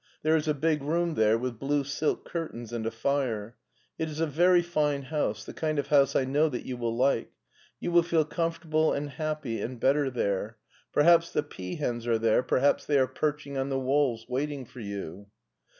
There is a big room there with blue silk curtains and a fire. It is a very fine house, the kind of house I know that you will like. You will feel comfortable and happy and better there. Perhaps the 300 MARTIN SCHULER peahens are there, perhaps they are perching on the walls waiting for you."